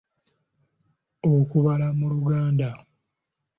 Okubala mu Luganda.